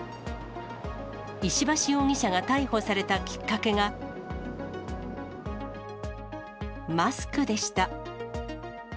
石橋容疑者が逮捕されたきっかけが、マスクでした。